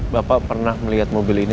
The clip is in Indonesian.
bapak pernah melihat mobil ini